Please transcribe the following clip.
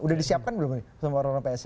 udah disiapkan belum nih sama orang orang psi